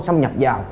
xâm nhập vào